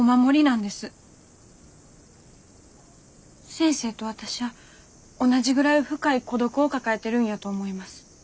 先生と私は同じぐらい深い孤独を抱えてるんやと思います。